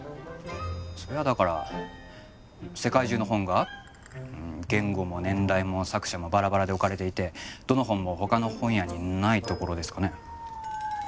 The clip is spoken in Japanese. そりゃだから世界中の本が言語も年代も作者もバラバラで置かれていてどの本もほかの本屋にないところですかね。